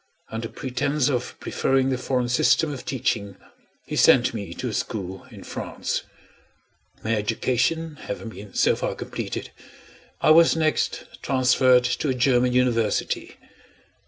Under pretence of preferring the foreign system of teaching, he sent me to a school in France. My education having been so far completed, I was next transferred to a German University.